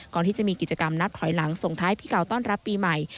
ก่อนที่จะมีกิจกรรมนับถอยหลังส่งท้ายปีเก่าต้อนรับปีใหม่